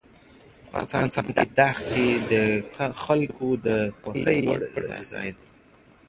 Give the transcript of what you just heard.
افغانستان کې دښتې د خلکو د خوښې وړ ځای دی.